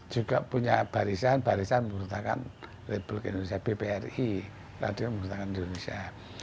juga punya barisan barisan pembertakan republik indonesia bpri radio pembertakan indonesia